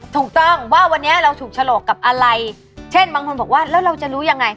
ถูกต้องว่าวันนี้เราถูกฉลกกับอะไรเช่นบางคนบอกว่าแล้วเราจะรู้ยังไง